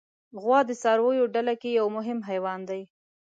غوا د څارویو له ډله کې یو مهم حیوان دی.